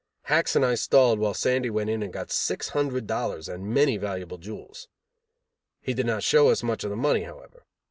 Hacks and I stalled while Sandy went in and got six hundred dollars and many valuable jewels. He did not show us much of the money, however.